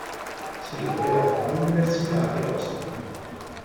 Si laureò all'Università di Oslo.